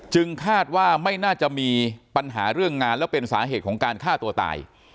คาดว่าไม่น่าจะมีปัญหาเรื่องงานแล้วเป็นสาเหตุของการฆ่าตัวตาย